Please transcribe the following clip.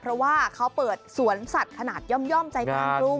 เพราะว่าเขาเปิดสวนสัตว์ขนาดย่อมใจกลางกรุง